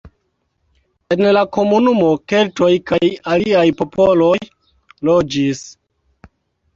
En la komunumo keltoj kaj aliaj popoloj loĝis.